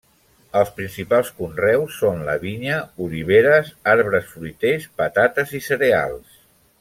Els principals conreus són la vinya, oliveres, arbres fruiters, patates i cereals.